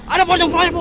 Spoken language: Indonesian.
ada pocong di proyek bu